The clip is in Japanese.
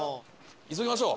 急ぎましょう！